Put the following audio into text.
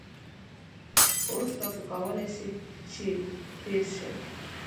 اوس تاسو کولای شئ چې تېر شئ